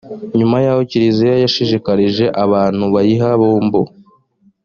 nyuma yaho kiliziya yashishikarije abantu bayiha bombo